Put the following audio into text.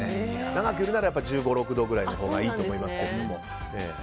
長くいるなら１５１６度くらいのほうがいいと思いますけど。